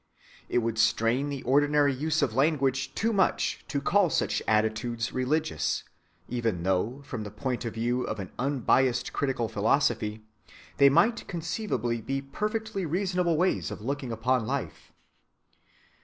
It would strain the ordinary use of language too much to call such attitudes religious, even though, from the point of view of an unbiased critical philosophy, they might conceivably be perfectly reasonable ways of looking upon life.